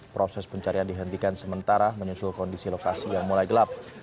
proses pencarian dihentikan sementara menyusul kondisi lokasi yang mulai gelap